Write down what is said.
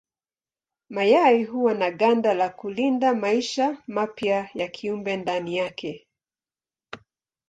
Mayai huwa na ganda ya kulinda maisha mapya ya kiumbe ndani yake.